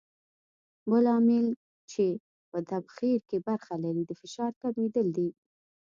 بل عامل چې په تبخیر کې برخه لري د فشار کمېدل دي.